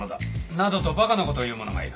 などとバカなことを言う者がいる。